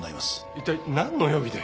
一体なんの容疑で。